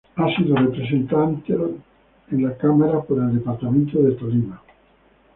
Ha sido Representante a la Cámara por el departamento del Tolima.